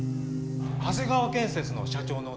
長谷川建設の社長のお宅。